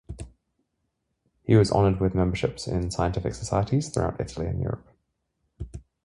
He was honored with memberships in scientific societies throughout Italy and Europe.